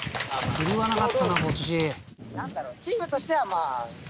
振るわなかったな今年。